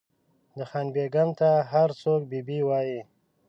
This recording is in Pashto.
د خان بېګم ته هر څوک بي بي وایي.